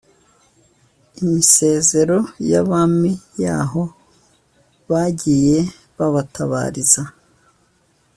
imisezero y’abami y’aho bagiye babatabariza